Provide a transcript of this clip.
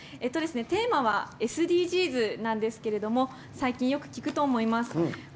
テーマは「ＳＤＧｓ」なんですけれども最近、よく聞くと思います。